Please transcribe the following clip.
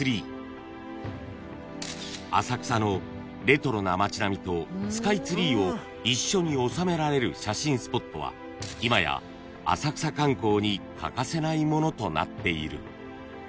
［浅草のレトロな町並みとスカイツリーを一緒に収められる写真スポットは今や浅草観光に欠かせないものとなっている］